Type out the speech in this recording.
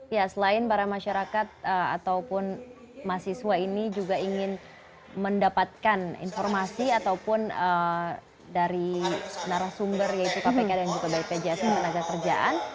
ya selain para masyarakat ataupun mahasiswa ini juga ingin mendapatkan informasi ataupun dari narasumber yaitu kpk dan juga bpjs tenaga kerjaan